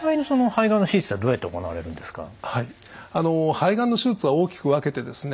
肺がんの手術は大きく分けてですね